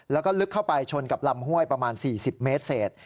แล้วก็ลึกเข้าไปชนกับลำห้วยประมาณ๔๐เมตรเศษ